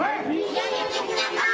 やめてくださーい！